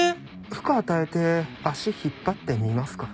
負荷与えて足引っ張ってみますか。